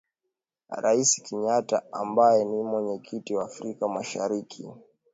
Rais Kenyatta ambaye ni Mwenyekiti wa Afrika mashariki